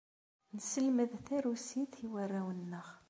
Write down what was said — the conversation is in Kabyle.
Nesselmed tarusit i warraw-nneɣ.